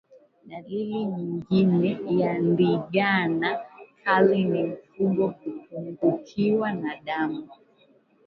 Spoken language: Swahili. Dalili nyingine ya ndigana kali ni mfugo kupungukiwa na damu